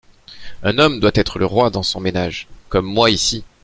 Un homme doit être le roi dans son ménage, comme moi ici.